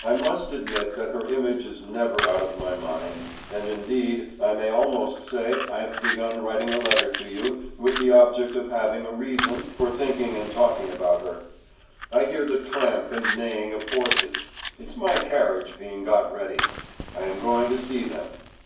I must admit that her image is never out of my mind, and indeed I may almost say I have begun writing a letter to you with the object of having a reason for thinking and talking about her. I hear the tramp and neighing of horses; it's my carriage being got ready. I am going to see them.